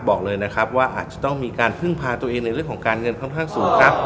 บอกเลยนะครับว่าอาจจะต้องมีการพึ่งพาตัวเองในเรื่องของการเงินค่อนข้างสูงครับ